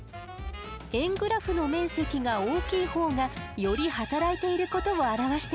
円グラフの面積が大きいほうがより働いていることを表しているの。